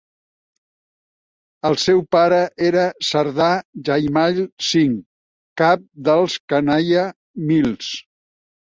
El seu pare era Sardar Jaimal Singh, cap dels Kanhaiya Misl.